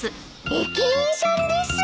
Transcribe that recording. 駅員さんです！